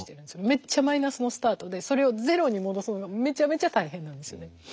めっちゃマイナスのスタートでそれをゼロに戻すのがめちゃめちゃ大変なんですよね。